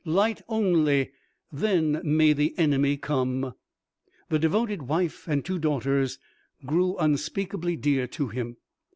light only, then may the enemy come!" The devoted wife and two daughters grew unspeakably dear to him.